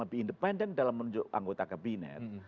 lebih independen dalam menunjuk anggota kabinet